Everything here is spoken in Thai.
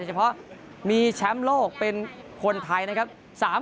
เฉพาะมีแชมป์โลกเป็นคนไทยนะครับ